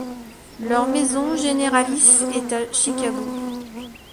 Leur maison généralice est à Chicago.